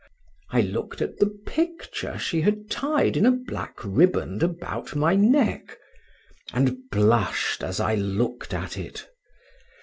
I look'd at the picture she had tied in a black riband about my neck,—and blush'd as I look'd at it.